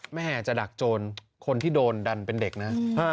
แม่จะดักโจรคนที่โดนดันเป็นเด็กนะ